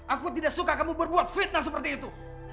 aku tidak suka kamu berbuat fitnah seperti itu